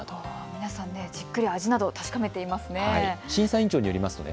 皆さんじっくり味などを確かめていますね。